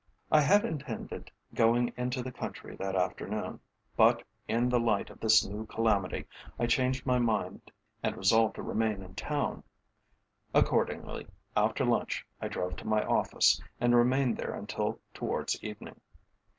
I had intended going into the country that afternoon, but, in the light of this new calamity, I changed my mind and resolved to remain in Town. Accordingly, after lunch I drove to my office, and remained there until towards evening.